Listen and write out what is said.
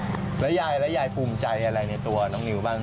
ภูมิใจมากกว่าแล้วยายภูมิใจอะไรในตัวน้องนิวบ้าง